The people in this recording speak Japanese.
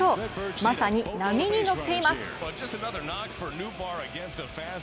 まさに波に乗っています。